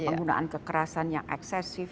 penggunaan kekerasan yang eksesif